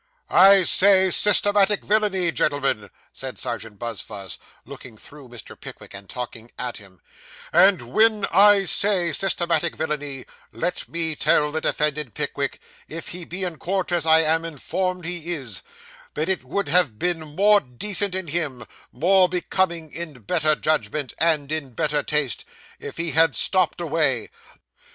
'I say systematic villainy, gentlemen,' said Serjeant Buzfuz, looking through Mr. Pickwick, and talking at him; 'and when I say systematic villainy, let me tell the defendant Pickwick, if he be in court, as I am informed he is, that it would have been more decent in him, more becoming, in better judgment, and in better taste, if he had stopped away.